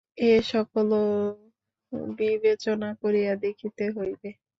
এ-সকলও বিবেচনা করিয়া দেখিতে হইবে।